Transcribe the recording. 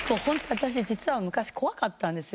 私実は昔怖かったんですよ。